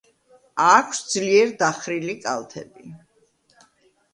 აქვს ძლიერ დახრილი კალთები.